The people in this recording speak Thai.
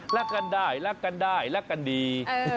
รักกันได้รักกันได้รักกันดี